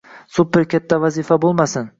Super katta vazifa bo’lmasin